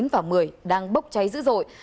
tám chín và một mươi đang bốc cháy dữ dội